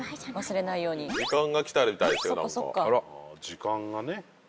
時間がね。